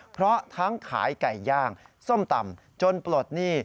เพราะทั้งขายไก่ย่างส้มตำจนปลดหนี้